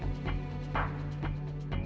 siap belum bu